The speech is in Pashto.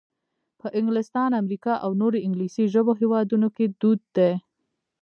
په انګلستان، امریکا او نورو انګلیسي ژبو هېوادونو کې دود دی.